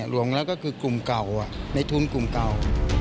หลวงแล้วก็คือกลุ่มเก่าในทุนกลุ่มเก่า